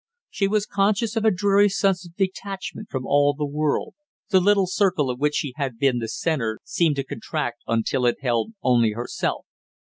She was conscious of a dreary sense of detachment from all the world, the little circle of which she had been the center seemed to contract until it held only herself.